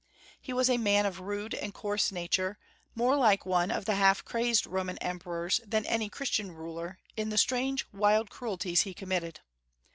He was a man of rude and coarse nature, more like . one of the half crazed Roman Emperors than, any Christian ruler in the strange, wUd cruelties he com mitted.